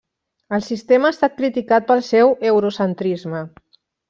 El sistema ha estat criticat pel seu eurocentrisme.